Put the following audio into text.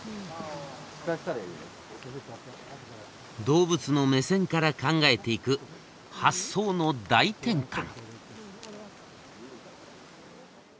動物の目線から考えていく発想の大転換。